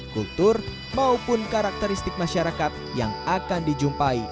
kultur maupun karakteristik masyarakat yang akan dijumpai